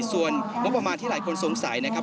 ส่วนงบประมาณที่หลายคนสงสัยนะครับ